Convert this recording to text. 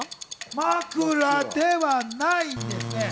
枕ではないんですね。